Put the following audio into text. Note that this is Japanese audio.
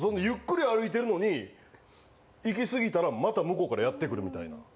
ゆっくり歩いてるのに、行き過ぎたらまた向こうからやって来るみたいな。